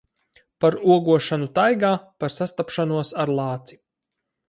Par ogošanu taigā, par sastapšanos ar lāci.